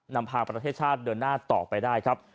นำพาประเทศชาติเดินหน้าต่อไปได้ครับ